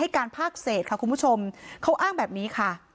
การพากเศษค่ะคุณผู้ชมเขาอ้างแบบนี้ค่ะ